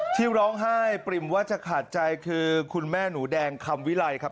ที่ร้องไห้ปริ่มว่าจะขาดใจคือคุณแม่หนูแดงคำวิไลครับ